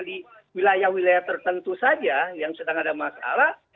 di wilayah wilayah tertentu saja yang sedang ada masalah